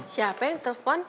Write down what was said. siapa yang telepon